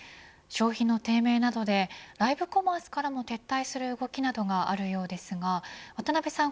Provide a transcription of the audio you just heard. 消費の低迷などでライブコマースからも撤退する動きなどがあるようですが渡辺さん